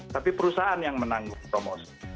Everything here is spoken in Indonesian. tapi perusahaan yang menanggung promosi